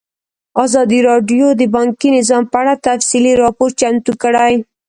ازادي راډیو د بانکي نظام په اړه تفصیلي راپور چمتو کړی.